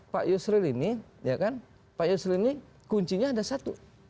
pak yusril ini kuncinya ada satu